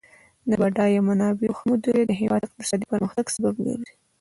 د بډایه منابعو ښه مدیریت د هیواد د اقتصادي پرمختګ سبب ګرځي.